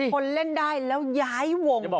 คนเล่นได้แล้วย้ายวง